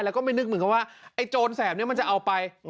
แล้วก็ไม่นึกเหมือนกันว่าไอ้โจรแสบนี้มันจะเอาไป